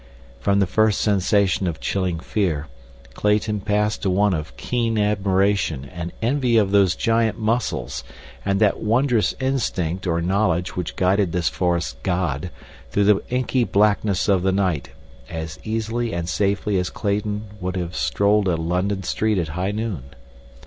From the first sensation of chilling fear Clayton passed to one of keen admiration and envy of those giant muscles and that wondrous instinct or knowledge which guided this forest god through the inky blackness of the night as easily and safely as Clayton would have strolled a London street at high noon.